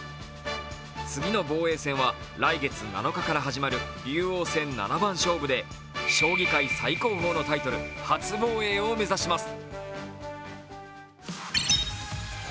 次の防衛戦は来月７日から始まる竜王戦七番勝負で将棋界最高峰のタイトル初防衛を目指します。